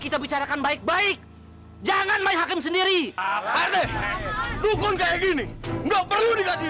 bisa bicarakan baik baik jangan main hakim sendiri adek dukung kayak gini nggak perlu dikasih